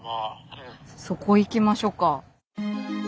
そこ行きましょうか。